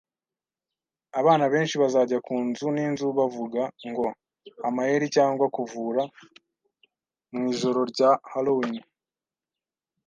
Abana benshi bazajya ku nzu n'inzu bavuga ngo "Amayeri cyangwa kuvura?" mu ijoro rya Halloween